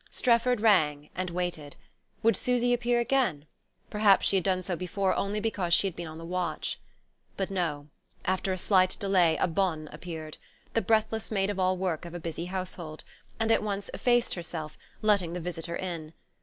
Strefford rang, and waited. Would Susy appear again? Perhaps she had done so before only because she had been on the watch.... But no: after a slight delay a bonne appeared the breathless maid of all work of a busy household and at once effaced herself, letting the visitor in.